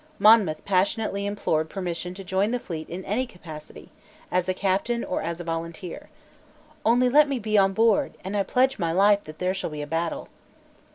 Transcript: Monmouth passionately implored permission to join the fleet in any capacity, as a captain, or as a volunteer. "Only let me be once on board; and I pledge my life that there shall be a battle."